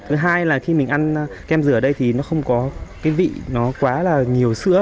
thứ hai là khi mình ăn kem dừa ở đây thì nó không có cái vị nó quá là nhiều sữa